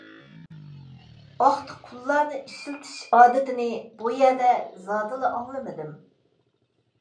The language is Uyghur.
ئاختا قۇللارنى ئىشلىتىش ئادىتىنى بۇ يەردە زادىلا ئاڭلىمىدىم.